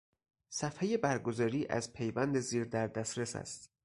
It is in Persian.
صفحهٔ برگزاری از پیوند زیر در دسترس است